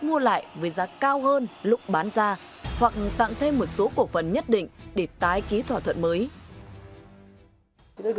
mua lại với giá cao hơn lúc bán ra hoặc tặng thêm một số cổ phần nhất định để tái ký thỏa thuận mới